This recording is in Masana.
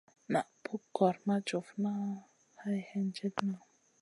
Naʼ pug gor ma jufma hay hendjena.